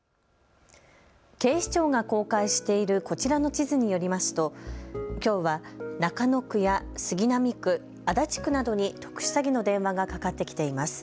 警視庁が公開しているこちらの地図によりますときょうは中野区や杉並区、足立区などに特殊詐欺の電話がかかってきています。